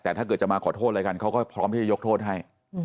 แต่ถ้าเกิดจะมาขอโทษอะไรกันเขาก็พร้อมที่จะยกโทษให้